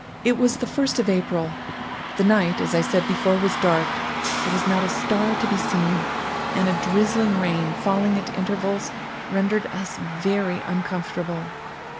"It was the first of April. The night, as I said before, was dark; there was not a star to be seen; and a drizzling rain, falling at intervals, rendered us very uncomfortable.